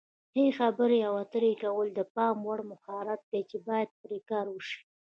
ښې خبرې اترې کول د پام وړ مهارت دی چې باید پرې کار وشي.